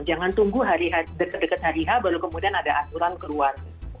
jangan tunggu dekat hari h baru kemudian ada aturan keluar